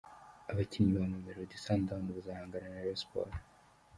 Abakinnyi ba Mamelodi Sundowns bazahangana na Rayon Sports:.